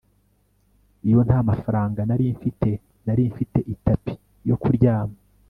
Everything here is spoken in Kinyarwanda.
iyo ntamafaranga nari mfite, nari mfite itapi yo kuryama